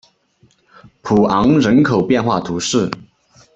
普昂人口变化图示